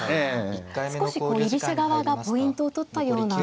少し居飛車側がポイントを取ったような。